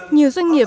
nhiều doanh nghiệp